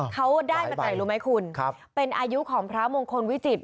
เขาได้มาจากไหนรู้ไหมคุณเป็นอายุของพระมงคลวิจิต